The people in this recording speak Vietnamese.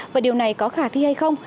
và điều này có khả thi hay không